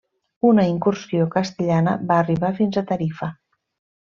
Una incursió castellana va arribar fins a Tarifa.